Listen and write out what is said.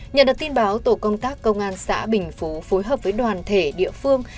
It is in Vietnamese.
nhận được tin báo tổ công tác công an xã bình phú phối hợp với đoàn thể địa phương